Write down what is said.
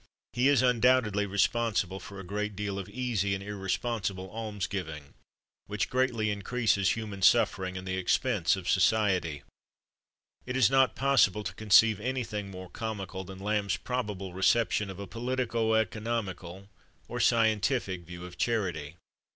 He is undoubtedly responsible for a great deal of easy and irresponsible alms giving, which greatly increases human suffering and the expense of society. It is not possible to conceive anything more comical than Lamb's probable reception of a politico economical or scientific view of charity.